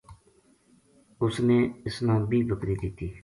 اُس نے اس نا بیہہ بکری دِتی